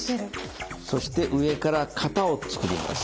そして上から型を作ります。